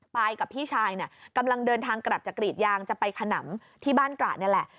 กับพี่ชายเนี่ยกำลังเดินทางกลับจากกรีดยางจะไปขนำที่บ้านตระนี่แหละ